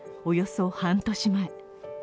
およそ半年前。